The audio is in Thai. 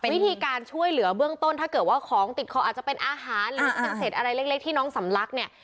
วิธีการช่วยเหลือเบื้องต้นถ้าเกิดว่าของติดคออาจจะเป็นอาหารหรือเป็นเศษอะไรเล็กที่น้องสำลักเนี่ย